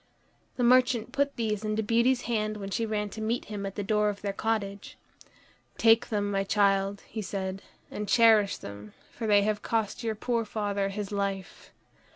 The merchant put these into Beauty's hand when she ran to meet him at the door of their cottage. "Take them, my child," he said, "and cherish them, for they have cost your poor father his life."